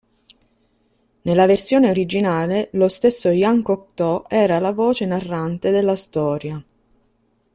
Nella versione originale lo stesso Jean Cocteau era la voce narrante della storia.